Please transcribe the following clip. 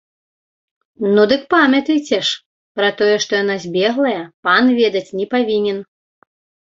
Ну, дык памятайце ж, пра тое, што яна збеглая, пан ведаць не павінен!